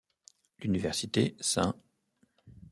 L'Université St.